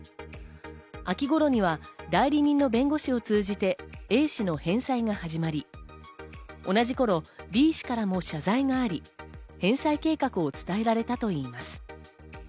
秋頃には代理人の弁護士を通じてＡ氏の返済が始まり、同じ頃、Ｂ氏からも謝罪があり、返済計画を伝えられたといいます。